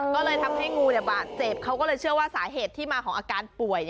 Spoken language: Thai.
ก็เลยทำให้งูบาดเจ็บเขาก็เลยเชื่อว่าสาเหตุที่มาของอาการป่วย